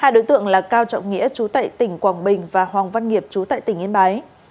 hai đối tượng là cao trọng nghĩa chú tại tỉnh quảng bình và hoàng văn nghiệp chú tại tỉnh yên bái